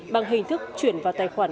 bằng hình thức chuyển vào tài khoản